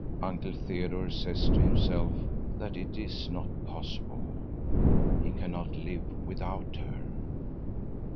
Uncle Theodore says to himself that it is not possible. He cannot live without her.